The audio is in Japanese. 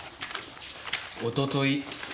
おととい